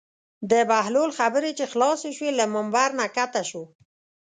د بهلول خبرې چې خلاصې شوې له ممبر نه کښته شو.